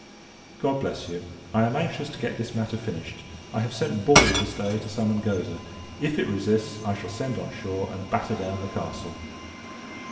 God bless you! I am anxious to get this matter finished. I have sent Ball, this day, to summon Goza; if it resists, I shall send on shore, and batter down the castle.